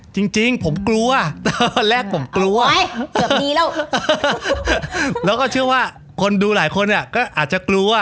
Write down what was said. จริงจริงผมกลัวแต่วันแรกผมกลัวเชื่อว่าคนดูหลายคนอ่ะก็อาจจะกลัว